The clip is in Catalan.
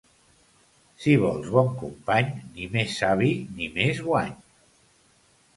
Si vols bon company, ni més savi, ni més guany.